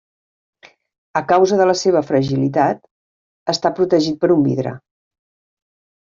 A causa de la seva fragilitat, està protegit per un vidre.